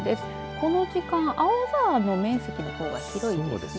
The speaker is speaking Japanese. この時間、青空の面積のほうが広いですね。